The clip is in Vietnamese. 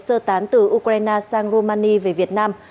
sơ tán từ ukraine sang romania về việt nam